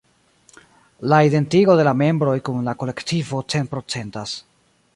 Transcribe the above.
La identigo de la membroj kun la kolektivo cent-procentas.